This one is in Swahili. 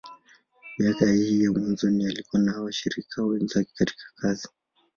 Miaka hii ya mwanzoni, alikuwa na washirika wenzake katika kazi.